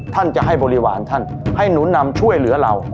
ท่านจะให้บริวารท่านให้หนุนนำช่วยเหลือเรา